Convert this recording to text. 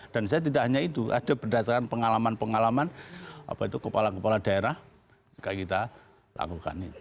dan saya tidak hanya itu ada berdasarkan pengalaman pengalaman apa itu kepala kepala daerah kita lakukan itu